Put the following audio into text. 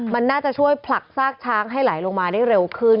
มันน่าจะช่วยผลักซากช้างให้ไหลลงมาได้เร็วขึ้น